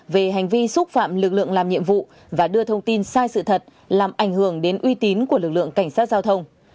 về hành vi xúc phạm lực lượng làm nhiệm vụ và đưa thông tin sai sự thật làm ảnh hưởng đến uy tín của lực lượng cảnh sát giao thông